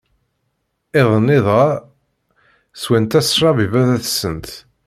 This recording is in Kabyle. Iḍ-nni dɣa, sswent-as ccṛab i Baba-tsent.